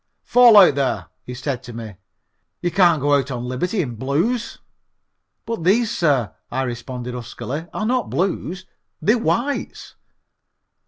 "Fall out, there," he said to me. "You can't go out on liberty in Blues." "But these, sir," I responded huskily, "are not Blues; they're Whites."